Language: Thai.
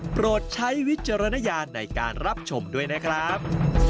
โปรดใช้วิจารณญาณในการรับชมด้วยนะครับ